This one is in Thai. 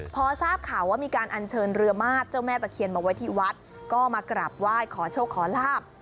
พอทราบข่าวว่ามีการอัญเชิญเรือมาสเจ้าแม่ตะเคียนมาไว้ที่วัดก็มากราบไหว้ขอโชคขอลาบ